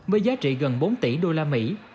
với giá trị gần bốn tỷ usd